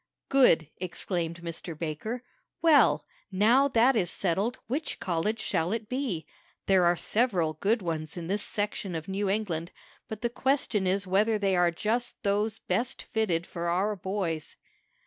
"Good!" exclaimed Mr. Baker. "Well, now that is settled, which college shall it be? There are several good ones in this section of New England, but the question is whether they are just those best fitted for our boys."